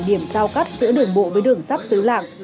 điểm giao cắt giữa đường bộ với đường sắt xứ lạng